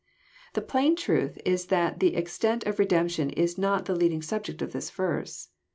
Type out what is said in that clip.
The plain truth is that the ex tent of redemption is not the leading subject of this verse.